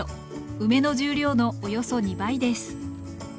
梅の重量のおよそ２倍です